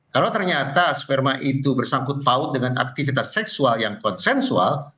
kalau ternyata sperma itu bersangkut paut dengan aktivitas seksual yang konsensual